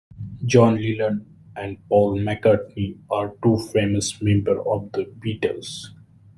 John Lennon and Paul McCartney are two famous members of the Beatles.